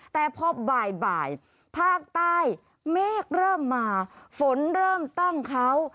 แต่พอบ่ายภาคใต้เมฆเริ่มมาฝนเริ่มตั้งเขา